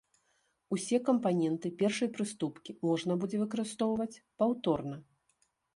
Усе кампаненты першай прыступкі можна будзе выкарыстоўваць паўторна.